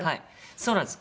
そうなんです。